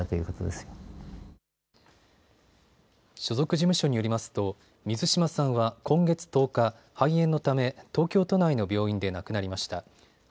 所属事務所によりますと水島さんは今月１０日、肺炎のため東京都内の病院で亡くなりました。